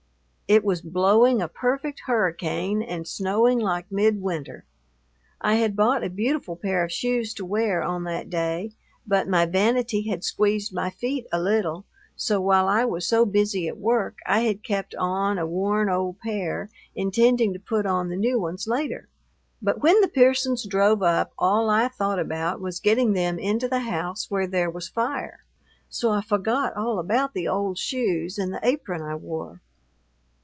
It was blowing a perfect hurricane and snowing like midwinter. I had bought a beautiful pair of shoes to wear on that day, but my vanity had squeezed my feet a little, so while I was so busy at work I had kept on a worn old pair, intending to put on the new ones later; but when the Pearsons drove up all I thought about was getting them into the house where there was fire, so I forgot all about the old shoes and the apron I wore.